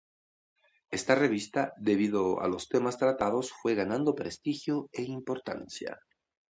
Esta revista, debido a los temas tratados, fue ganando prestigio e importancia.